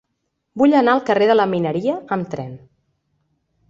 Vull anar al carrer de la Mineria amb tren.